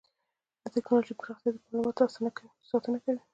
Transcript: د ټکنالوجۍ پراختیا د معلوماتو ساتنه اسانوي.